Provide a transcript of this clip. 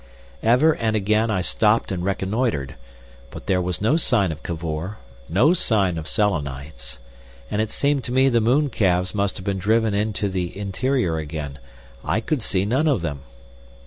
Ever and again I stopped and reconnoitred, but there was no sign of Cavor, no sign of Selenites; and it seemed to me the mooncalves must have been driven into the interior again—I could see none of them.